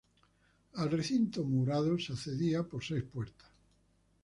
Al recinto murado, se accedía por seis puertas.